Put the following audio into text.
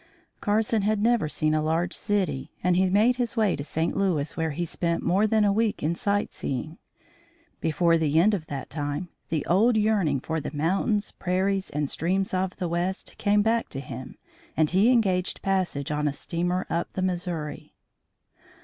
Carson had never seen a large city, and he made his way to St. Louis, where he spent more than a week in sight seeing. Before the end of that time, the old yearning for the mountains, prairies and streams of the West came back to him, and he engaged passage on a steamer up the Missouri.